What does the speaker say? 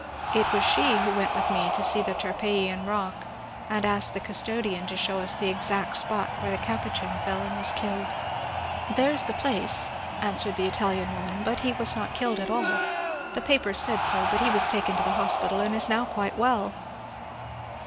It was she who went with me to see the Tarpeian Bock, and asked the custodian to show us the exact spot where the Capuchin fell and was killed. ^^ There 's the place," answered the Ital ian woman ;^^ but he was not killed at all. The papers said so, but he was taken to the hospital and is now quite well